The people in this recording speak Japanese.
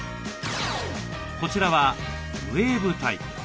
こちらはウエーブタイプ。